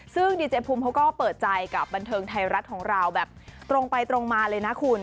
ซึ่งดีเจภูมิเขาก็เปิดใจกับบันเทิงไทยรัฐของเราแบบตรงไปตรงมาเลยนะคุณ